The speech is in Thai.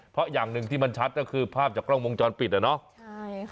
เพราะอย่างหนึ่งที่มันชัดก็คือภาพจากกล้องวงจรปิดอ่ะเนาะ